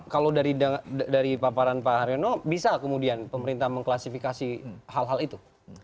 kalau dari paparan pak haryono bisa kemudian pemerintah mengklasifikasi hal hal itu